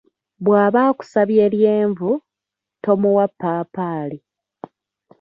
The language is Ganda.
"Bw'aba akusabye lyenvu, tomuwa ppaapaali."